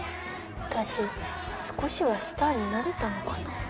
私少しはスターになれたのかな。